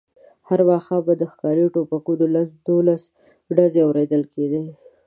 هر ماښام به د ښکاري ټوپکو لس دولس ډزې اورېدل کېدې.